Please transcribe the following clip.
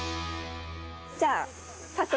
じゃあ、早速。